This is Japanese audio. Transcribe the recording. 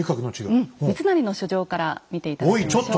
うん三成の書状から見て頂きましょう。